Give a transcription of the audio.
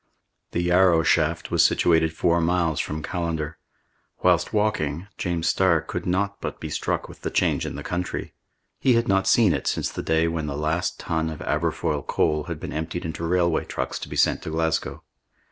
The Yarrow shaft was situated four miles from Callander. Whilst walking, James Starr could not but be struck with the change in the country. He had not seen it since the day when the last ton of Aberfoyle coal had been emptied into railway trucks to be sent to Glasgow.